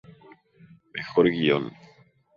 Mejor Guion.